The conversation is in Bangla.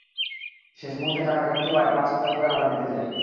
শেষ মুহূর্তে টাকার ঘাটতি হওয়ায় পাঁচ হাজার করে আমরা দিতে চাই।